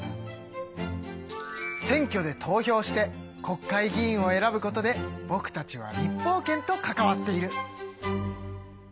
選挙で投票して国会議員を選ぶことでぼくたちは立法権と関わっている。